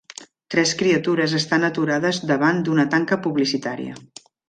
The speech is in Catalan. Tres criatures estan aturades davant d'una tanca publicitària.